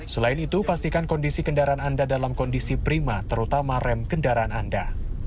selain itu pastikan kondisi kendaraan anda dalam kondisi prima terutama rem kendaraan anda